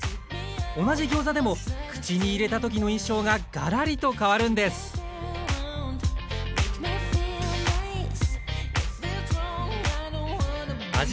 同じギョーザでも口に入れた時の印象がガラリと変わるんです味